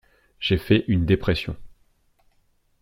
J'ai fait une dépression.